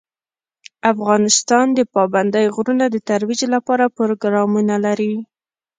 افغانستان د پابندی غرونه د ترویج لپاره پروګرامونه لري.